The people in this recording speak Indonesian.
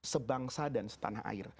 sebangsa dan setanah air